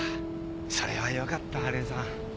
それはよかった春江さん。